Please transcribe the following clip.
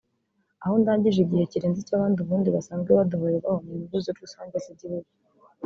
aho ndangije igihe kirenze icyo abandi ubundi basanzwe badohorerwaho mu nyungu rusange z’igihugu